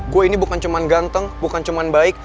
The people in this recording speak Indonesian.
gue ini bukan cuman ganteng bukan cuman baik